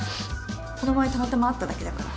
この前たまたま会っただけだから。